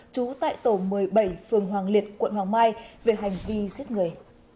trú tại tổ một mươi bảy phường hoàng liệt quận hoàng mai về hành vi giết người